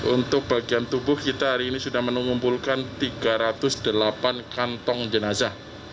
untuk bagian tubuh kita hari ini sudah mengumpulkan tiga ratus delapan kantong jenazah